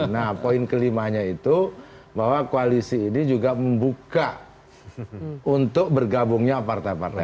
nah poin kelimanya itu bahwa koalisi ini juga membuka untuk bergabungnya partai partai